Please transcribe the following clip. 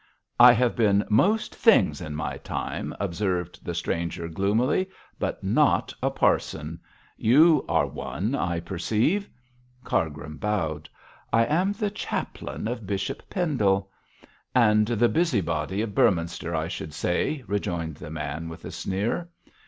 'I have been most things in my time,' observed the stranger, gloomily, 'but not a parson. You are one, I perceive.' Cargrim bowed. 'I am the chaplain of Bishop Pendle.' 'And the busybody of Beorminster, I should say,' rejoined the man with a sneer.